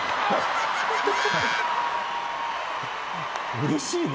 うれしいね。